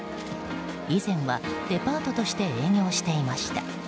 以前はデパートとして営業していました。